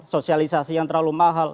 sosialisasi yang terlalu mahal